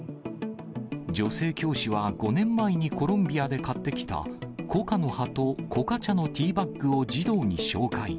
女性教師は５年前にコロンビアで買ってきた、コカの葉とコカ茶のティーバッグを児童に紹介。